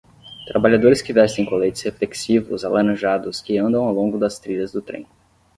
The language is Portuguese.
Trabalhadores que vestem coletes reflexivos alaranjados que andam ao longo das trilhas do trem.